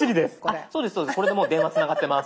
そうですこれでもう電話つながってます。